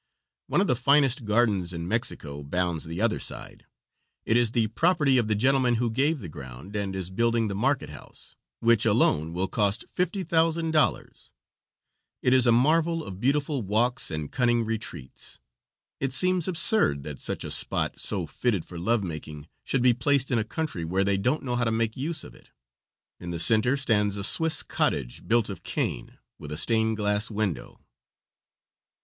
One of the finest gardens in Mexico bounds the other side. It is the property of the gentleman who gave the ground and is building the market house, which alone will cost $50,000. It is a marvel of beautiful walks and cunning retreats. It seems absurd that such a spot, so fitted for love making, should be placed in a country where they don't know how to make use of it. In the center stands a Swiss cottage built of cane, with a stained glass window.